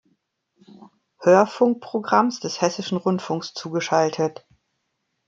Hörfunkprogramms des Hessischen Rundfunks, zugeschaltet.